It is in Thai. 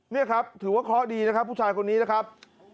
เนี่ยครับถือว่าขอดีนะครับผู้ชายคนนี้นะครับ